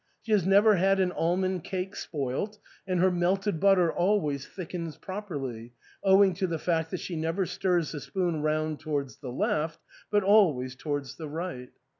She has never had an almond cake spoilt, and her melted butter always thickens properly, owing to the fact that she never stirs the spoon round towards the left, but always towards the right.